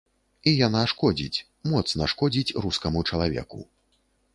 І яна шкодзіць, моцна шкодзіць рускаму чалавеку.